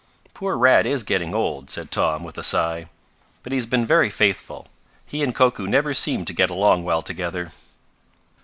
"Poor Rad is getting old," said Tom with a sigh. "But he has been very faithful. He and Koku never seem to get along well together."